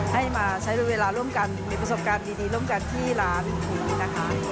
ให้มาใช้เวลาร่วมกันมีประสบการณ์ดีร่วมกันที่ร้านนี้นะคะ